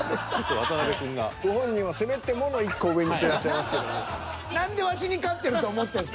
ご本人はせめてもの１個上にしてらっしゃいますけど。